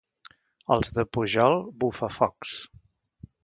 Els de Pujol, bufafocs.